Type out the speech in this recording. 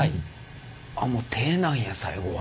あっもう手なんや最後は。